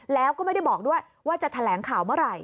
แล้วก็ไม่ได้บอกด้วยว่าจะแถลงข่าวเมื่อไหร่